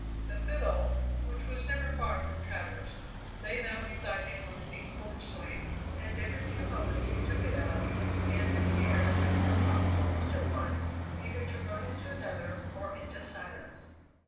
The fiddle, which was never far from Travers, lay now beside him on the deep porch swing, and every few moments he took it up and began an air that broke off almost at once, either to run into another, or into silence.